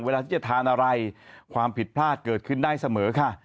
เวลาที่จะทานอะไรความผิดพลาดเกิดขึ้นได้เสมอค่ะ